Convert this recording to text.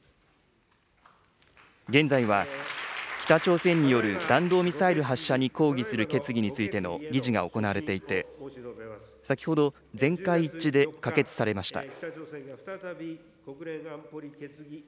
現在は、北朝鮮による弾道ミサイル発射に抗議する決議についての議事が行われていて、先ほど、全会一致で可決されました。